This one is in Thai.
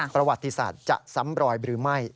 ประวัติศาสตร์จะซ้ำรอยหรือไม่